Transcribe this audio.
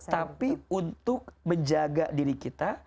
tapi untuk menjaga diri kita